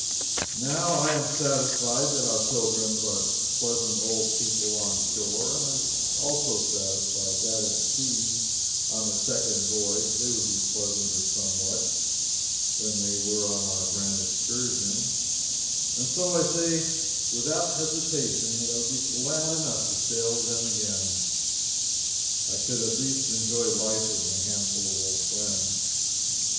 Now I am satisfied that our pilgrims are pleasant old people on shore; I am also satisfied that at sea on a second voyage they would be pleasanter, somewhat, than they were on our grand excursion, and so I say without hesitation that I would be glad enough to sail with them again. I could at least enjoy life with my handful of old friends.